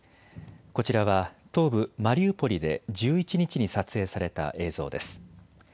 こちらは東部マリウポリで１１日に撮影された映像です。